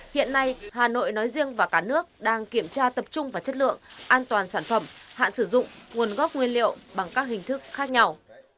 hiện nay hà nội nói riêng và cả nước đang kiểm tra tập trung vào chất lượng an toàn sản phẩm hạn sử dụng nguồn gốc nguyên liệu bằng các hình thức khác nhau